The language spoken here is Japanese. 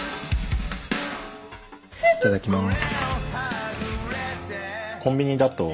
いただきます。